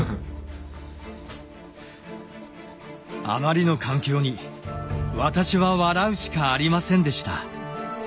あまりの環境に私は笑うしかありませんでした。